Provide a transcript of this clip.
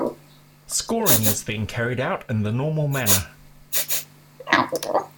Scoring is then carried out in the normal manner.